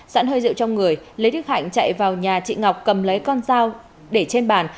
sẵn hơi rượu trong người lê đức hạnh chạy vào nhà chị ngọc cầm lấy con dao để trên bàn